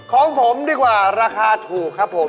ของผมดีกว่าราคาถูกครับผม